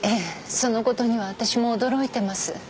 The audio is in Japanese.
その事には私も驚いてます。